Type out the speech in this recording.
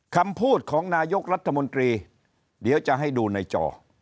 คำพูดของนายกรัฐมนตรีเดี๋ยวจะให้ดูในจอ